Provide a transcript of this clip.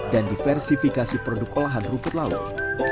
dan diversifikasi produk olahan rumput laut